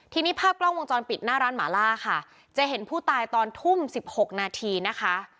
ทีนี้ภาพกล้องวงจรปิดหน้าร้านหมาล่าค่ะจะเห็นผู้ตายตอนทุ่มสิบหกนาทีนะคะ